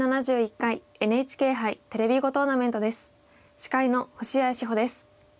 司会の星合志保です。